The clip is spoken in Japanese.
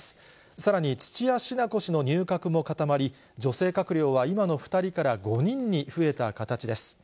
さらに、土屋品子氏の入閣も固まり、女性閣僚は今の２人から５人に増えた形です。